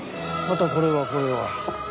またこれはこれは。